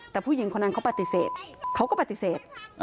แต่ผู้หญิงคนนั้นเขาปฏิเสธเขาก็ปฏิเสธ